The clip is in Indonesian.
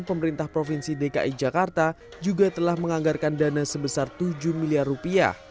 pemerintah provinsi dki jakarta juga telah menganggarkan dana sebesar tujuh miliar rupiah